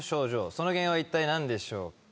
その原因は一体何でしょうか？